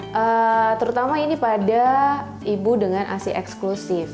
ya terutama ini pada ibu dengan asi eksklusif